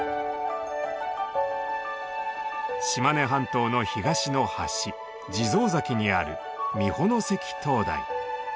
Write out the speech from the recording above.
島根半島の東の端地蔵崎にある美保関灯台。